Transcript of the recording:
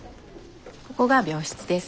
ここが病室です。